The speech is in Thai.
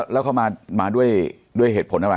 แล้วเขามาด้วยเหตุผลอะไร